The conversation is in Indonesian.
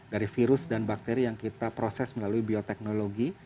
dari virus dan bakteri yang kita proses melalui bioteknologi